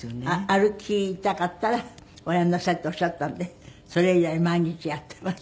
歩きたかったらおやりなさいとおっしゃったんでそれ以来毎日やっています。